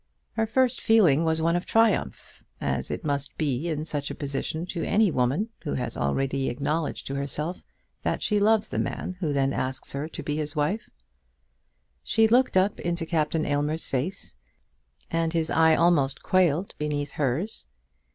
Her first feeling was one of triumph, as it must be in such a position to any woman who has already acknowledged to herself that she loves the man who then asks her to be his wife. She looked up into Captain Aylmer's face, and his eye almost quailed beneath hers.